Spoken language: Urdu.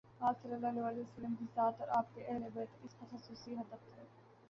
آپﷺ کی ذات اور آپ کے اہل بیت اس کاخصوصی ہدف تھے۔